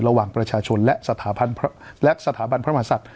ระหว่างประชาชนและสถาบันพระมหาศักดิ์